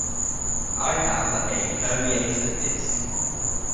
I have a herniated disc.